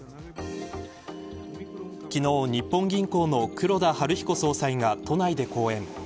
昨日、日本銀行の黒田東彦総裁が都内で講演。